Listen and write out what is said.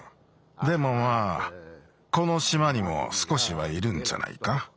でもまあこのしまにもすこしはいるんじゃないか。